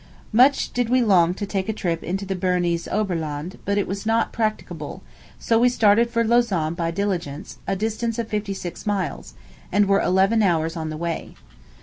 Much did we long to take a trip into the Bernese Oberland, but it was not practicable; so we started for Lausanne by diligence, a distance of fifty six miles, and were eleven hours on the way.